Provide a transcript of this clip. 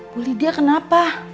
bu lydia kenapa